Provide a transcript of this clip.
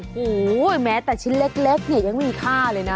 โอ้โหแม้แต่ชิ้นเล็กเนี่ยยังไม่มีค่าเลยนะ